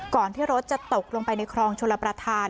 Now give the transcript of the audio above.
ที่รถจะตกลงไปในคลองชลประธาน